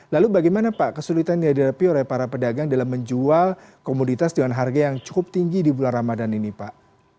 lalu bagaimana pak kesulitan yang dihadapi oleh para pedagang dalam menjual komoditas dengan harga yang cukup tinggi di bulan ramadan ini pak